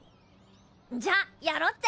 じゃあやろっぜ！